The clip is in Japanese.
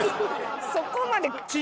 そこまで。